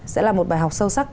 sẽ là một bài học sâu sắc